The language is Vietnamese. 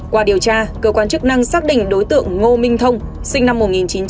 qua điều tra cơ quan chức năng xác định đối tượng ngô minh thông sinh năm một nghìn chín trăm tám mươi